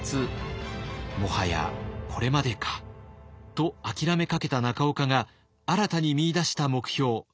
「もはやこれまでか」と諦めかけた中岡が新たに見いだした目標。